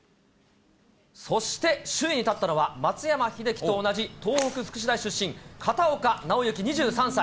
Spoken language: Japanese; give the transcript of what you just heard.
そして、首位に立ったのは、松山英樹と同じ東北福祉大出身、片岡尚之２３歳。